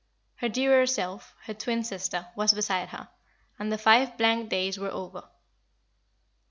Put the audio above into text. Her dearer self, her twin sister, was beside her, and the five blank days were over.